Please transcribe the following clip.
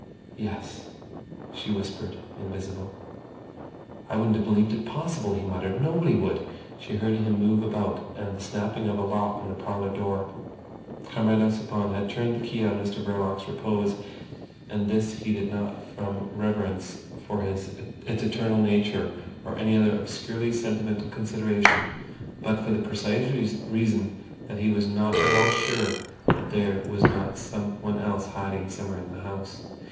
"Yes," she whispered, invisible. "I wouldn't have believed it possible," he muttered. "Nobody would." She heard him move about and the snapping of a lock in the parlour door. Comrade Ossipon had turned the key on Mr Verloc's repose; and this he did not from reverence for its eternal nature or any other obscurely sentimental consideration, but for the precise reason that he was not at all sure that there was not someone else hiding somewhere in the house.